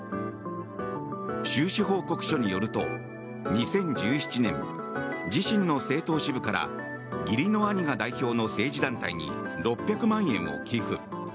収支報告書によると２０１７年自身の政党支部から義理の兄が代表の政治団体に６００万円を寄付。